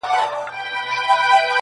کيسه پراخه بڼه اخلي،